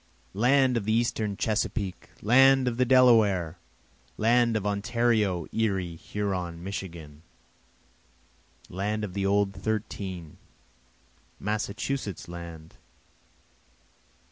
Land of the eastern Chesapeake! land of the Delaware! Land of Ontario, Erie, Huron, Michigan! Land of the Old Thirteen! Massachusetts land!